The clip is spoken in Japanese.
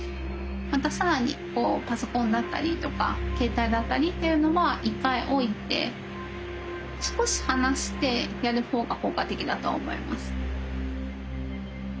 更にパソコンだったりとか携帯だったりっていうのは一回置いて少し離してやる方が効果的だと思います。